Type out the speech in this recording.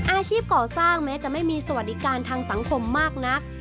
อาชีพก่อสร้างแม้จะไม่มีสวัสดิการทางสังคมมากนัก